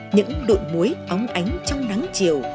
những đụn muối óng ánh trong nắng chiều